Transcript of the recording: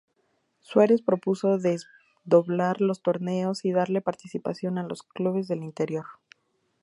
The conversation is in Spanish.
Suárez propuso desdoblar los torneos y darle participación a los clubes del Interior.